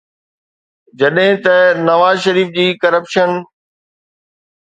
جڏهن ته نواز شريف جي ڪرپشن